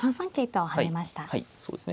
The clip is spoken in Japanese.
はいそうですね。